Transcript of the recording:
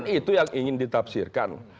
itu yang ingin ditafsirkan